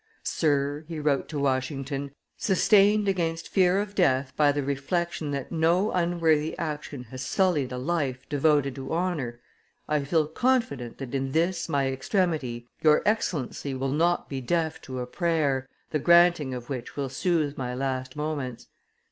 "Sir," he wrote to Washington, "sustained against fear of death by the reflection that no unworthy action has sullied a life devoted to honor, I feel confident that in this my extremity, your Excellency will not be deaf to a prayer the granting of which will soothe my last moments.